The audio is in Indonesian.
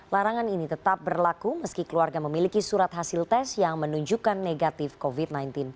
larangan ini tetap berlaku meski keluarga memiliki surat hasil tes yang menunjukkan negatif covid sembilan belas